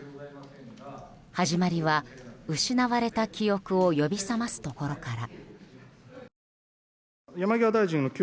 始まりは、失われた記憶を呼び覚ますところから。